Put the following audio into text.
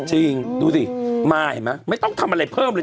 จริงดูสิมาเห็นไหมไม่ต้องทำอะไรเพิ่มเลย